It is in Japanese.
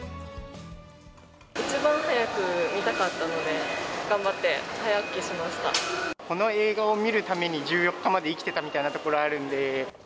一番早く見たかったので、この映画を見るために、１４日まで生きてたみたいなところあるんで。